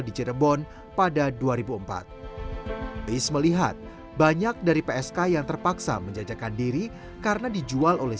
di cirebon pada dua ribu empat base melihat banyak dari psk yang terpaksa menjajakan diri karena dijual oleh